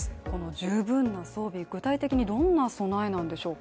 十分な装備、具体的にどんな備えなんでしょうか。